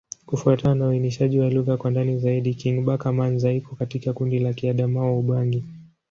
Kufuatana na uainishaji wa lugha kwa ndani zaidi, Kingbaka-Manza iko katika kundi la Kiadamawa-Ubangi.